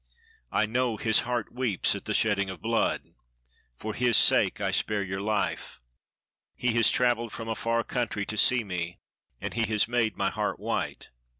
"I know his heart weeps at the shedding of blood. For his sake, I spare your life. He has traveled from a far country to see me, and he has made my heart white.